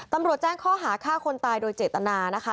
ตำรวจแจ้งข้อหาฆ่าคนตายโดยเจตนานะคะ